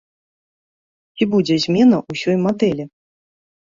Ці будзе змена ўсёй мадэлі?